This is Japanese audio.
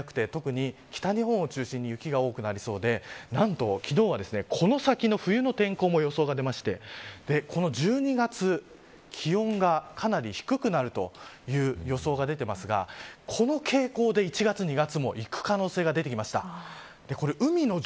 冬の訪れが早くて特に北日本を中心に雪が多くなりそうで何と昨日は、この先の冬の天候も予想が出ましてこの１２月気温がかなり低くなるという予想が出ていますがこの傾向で１月、２月もいく可能性が出てきました。